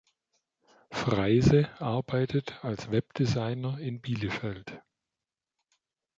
Freise arbeitet als Webdesigner in Bielefeld.